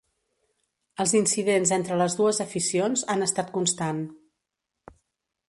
Els incidents entre les dues aficions han estat constant.